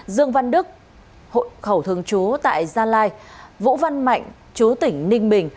dương văn đức hội khẩu thường chú tại gia lai vũ văn mạnh chú tỉnh ninh bình